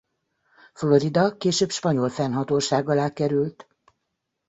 Florida később spanyol fennhatóság alá került.